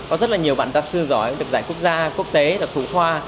có rất là nhiều bạn gia sư giỏi được giải quốc gia quốc tế và thú hoa